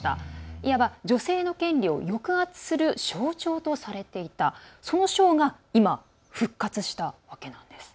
いわば、女性の権利を抑圧する象徴とされていたその省が今復活したわけなんです。